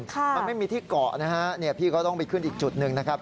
แต่ไม่มีที่เกาะพี่ก็ต้องไปขึ้นอีกจุดหนึ่ง